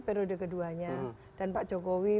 periode keduanya dan pak jokowi